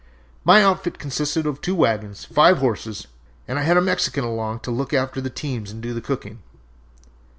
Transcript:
My outfit consisted of two wagons, five horses, and I had a Mexican along to look after the teams and do the cooking.